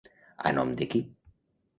A nom de qui?